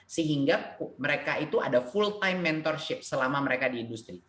sehingga mereka itu ada full time mentorship selama mereka di industri